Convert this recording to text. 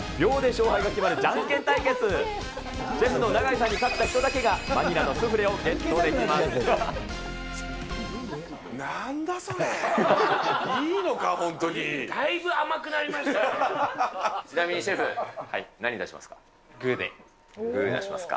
シェフの永井さんに勝った人だけが、ヴァニラのスフレをゲットできます。